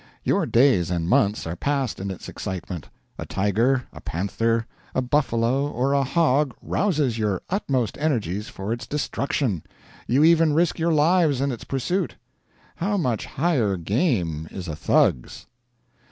Your days and months are passed in its excitement. A tiger, a panther, a buffalo or a hog rouses your utmost energies for its destruction you even risk your lives in its pursuit. How much higher game is a Thug's!"